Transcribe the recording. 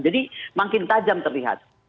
jadi makin tajam terlihat